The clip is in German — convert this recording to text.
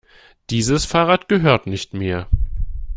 Dieses Fahrrad gehört nicht mir.